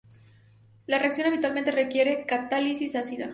La reacción habitualmente requiere catálisis ácida.